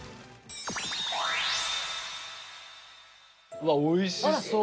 うわっおいしそう！